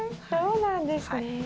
そうなんですね。